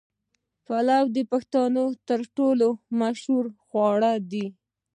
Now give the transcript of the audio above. پلو د پښتنو تر ټولو مشهور خواړه دي.